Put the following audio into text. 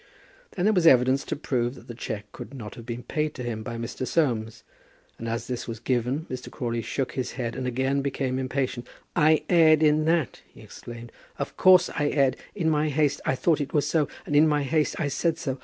Then there was evidence to prove that the cheque could not have been paid to him by Mr. Soames, and as this was given, Mr. Crawley shook his head and again became impatient. "I erred in that," he exclaimed. "Of course I erred. In my haste I thought it was so, and in my haste I said so.